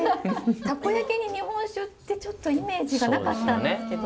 たこ焼きに日本酒ってちょっとイメージがなかったんですけど。